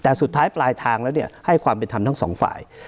แต่สุดท้ายปลายทางแล้วความเป็นธรรมทั้งทั้งสองฝ่าย